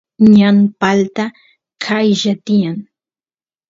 ñan palta qaylla tiyan